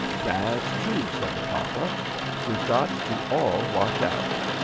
"That's true," said the papa. "We've got to all watch out.